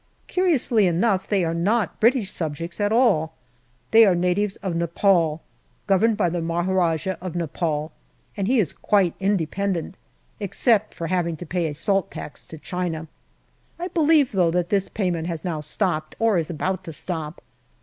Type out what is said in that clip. Curiously enough, they are not British subjects at all. They are natives of Nepal, governed by the Maharajah of Nepal, and he is quite independent, except for having to pay a salt tax to China. I believe, though, that this pay ment has now stopped, or is about to stop.